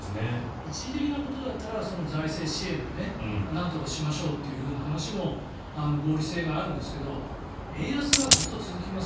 一時的なことだったら財政支援でなんとかしましょうという話も合理性があるんですけど円安がずっと続きます